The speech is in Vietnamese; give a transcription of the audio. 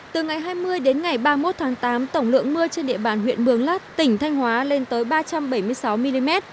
từ ngày hai mươi đến ngày ba mươi một tháng tám tổng lượng mưa trên địa bàn huyện mường lát tỉnh thanh hóa lên tới ba trăm bảy mươi sáu mm